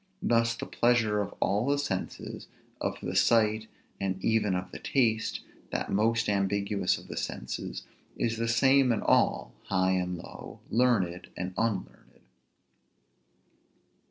Thus the pleasure of all the senses, of the sight, and even of the taste, that most ambiguous of the senses, is the same in all, high and low, learned and unlearned.